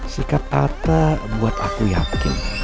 sikap atta buat aku yakin